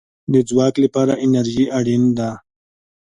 د ځواک لپاره انرژي اړین ده